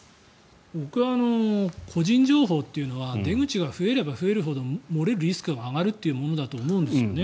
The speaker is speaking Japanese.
僕は個人情報というのは出口が増えれば増えるほど漏れるリスクが上がるものだと思うんですよね。